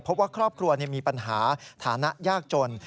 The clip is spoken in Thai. พบว่าครอบครัวเนี่ยมีปัญหาฐานะยากจน